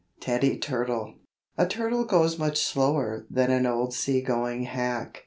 TEDDY TURTLE A turtle goes much slower Than an old sea going hack.